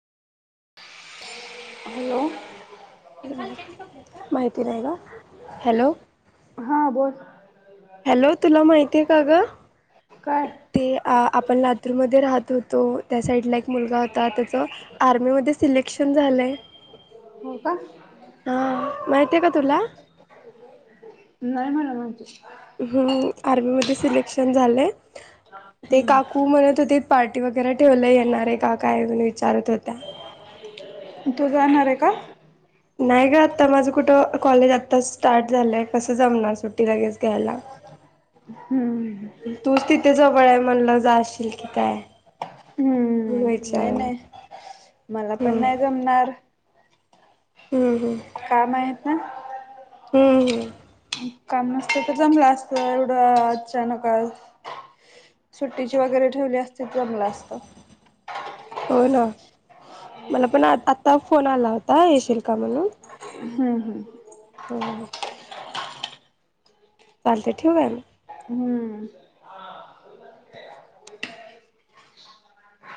Hello माहिती नाही का? हॅलो हा बोल. हॅलो तुला माहितीय का गं. काय ते आपण लातूर मध्ये राहत होतो त्या साईड चा. मुलगा होता त्याच आर्मी मध्ये सिलेक्शन झालंय. हो का हा माहितय का तुला. नाही नाही मॅडम. आर्मीमध्ये सिलेक्शन झालं. ते हम्म काकू म्हणत होते पार्टी वगैरे. तेवल येणार आहे का काय म्ह विचारत होत्या. तू जाणार आहे का. नाही ग आता माझं कुठं कॉलेज आता स्टार्ट झालंय कसं जमणार सुट्टी लागेच. केरला. हम्म तूच तिथे जवळ आहे म्हणलं जाशील की काय. म्हणून हम्म नाही विचार नाही मला पण हम्म नाही जमणार. हम्म हम्. काम आहेत ना. हम्म हम् काम नसतं तर जमलं असत एवढं अचानक सुट्टीची वगैरे ठेवली असते जमलं असत हो ना मला पण आ आता फोन आला होता येशील का म्हणून हम्म हम् हम्म हम्म चालतंय ठेवू काय हम्म